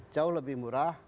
jauh lebih murah